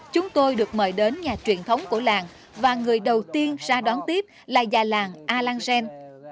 chúng tôi được mời đến nhà truyền thống của làng và người đầu tiên ra đón tiếp là nhà làng alangen